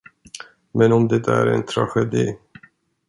Men om detta är en tragedi?